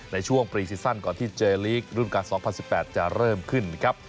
ในช่วงปรีซีซั่นก่อนที่เจลีกรุ่นการ๒๐๑๘จะเริ่มขึ้นนะครับ